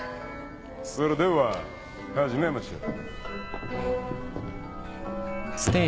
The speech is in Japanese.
それでは始めましょう。